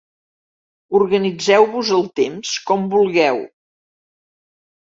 Organitzeu-vos el temps com vulgueu.